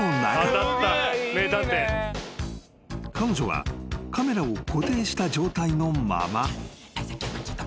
［彼女はカメラを固定した状態のまま］